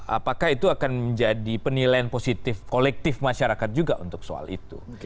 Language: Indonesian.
apakah itu akan menjadi penilaian positif kolektif masyarakat juga untuk soal itu